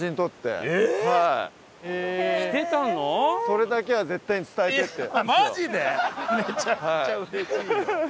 「それだけは絶対に伝えて」って。